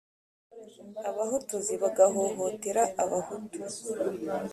Abahotozi bagahohotera abahutu.